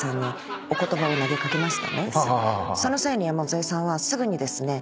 その際に山添さんはすぐにですね